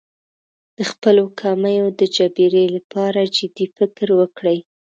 د خپلو کمیو د جبېرې لپاره جدي فکر وکړي.